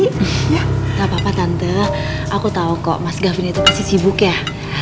gak apa apa tante aku tau kok mas gafin itu pasti sibuk ya